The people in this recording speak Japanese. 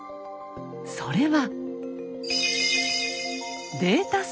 それは。